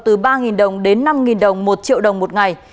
từ ba đồng đến năm đồng một triệu đồng một ngày